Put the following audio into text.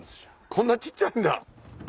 こんな小っちゃいんだ。